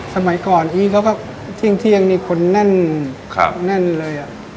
สมัยก่อนที่ข้าวถเที่ยงคนน่นเลย